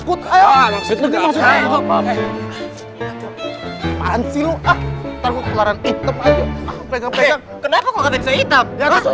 kenapa gua gak bisa hitam